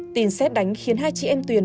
tin xét đánh khiến hai chị em tuyển